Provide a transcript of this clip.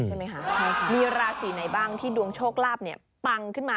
ใช่ไหมคะใช่ค่ะมีราศีไหนบ้างที่ดวงโชคลาภเนี่ยปังขึ้นมา